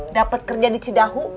dapet kerja di cidahu